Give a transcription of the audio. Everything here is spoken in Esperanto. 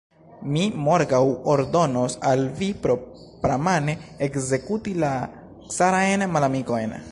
Mi morgaŭ ordonos al vi propramane ekzekuti la carajn malamikojn.